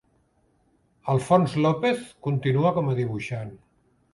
Alfons López continua com a dibuixant.